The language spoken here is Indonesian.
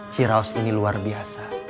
ciraus ini luar biasa